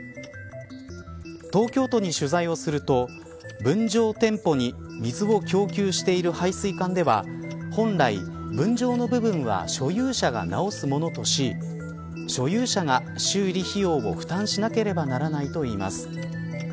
東京都に取材をすると分譲店舗に水を供給している配水管では本来、分譲の部分は所有者が直すものとし所有者が修理費用を負担しなければならないといいます。